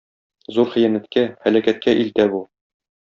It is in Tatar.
Зур хыянәткә, һәлакәткә илтә бу.